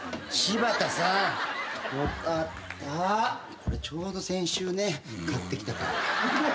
これちょうど先週ね買ってきたから。